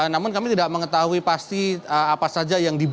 namun kami tidak mengetahui pasti apa saja yang dibuat